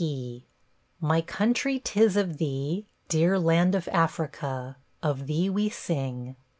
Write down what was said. T. My country, 'tis of thee, Dear land of Africa, Of thee we sing.